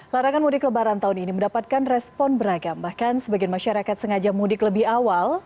larangan mudik lebaran tahun ini mendapatkan respon beragam bahkan sebagian masyarakat sengaja mudik lebih awal